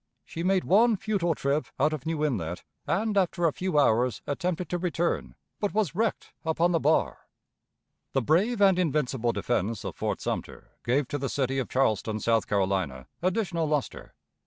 She made one futile trip out of New Inlet, and after a few hours attempted to return, but was wrecked upon the bar. The brave and invincible defense of Fort Sumter gave to the city of Charleston, South Carolina, additional luster.